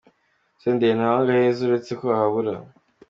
Senderi: Ntawanga aheza, uretse ko ahabura.